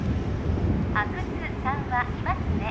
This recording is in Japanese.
阿久津さんはいますね？